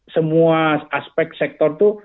semua aspek sektor itu